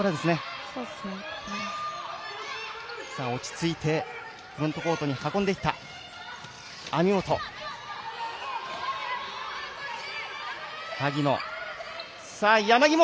落ち着いてフロントコートに運んでいった網本。